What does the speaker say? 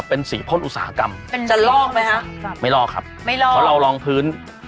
เป็นสีพ่นอุตสาหกรรมจะลอกไหมฮะไม่ลอกครับเพราะเรารองพื้น